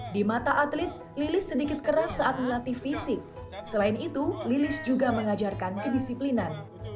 di mata atlet lilis sedikit keras saat melatih fisik selain itu lilis juga mengajarkan kedisiplinan